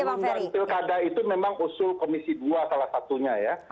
undang undang pilkada itu memang usul komisi dua salah satunya ya